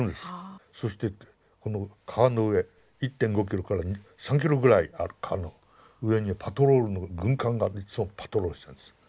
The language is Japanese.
そしてこの川の上１．５ｋｍから３ｋｍぐらいある川の上にパトロールの軍艦がいつもパトロールしてたんですよ。